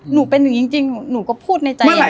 หนูเป็นอย่างนี้จริงหนูก็พูดในใจอย่างนี้